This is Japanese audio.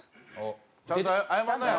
ちゃんと謝りなよ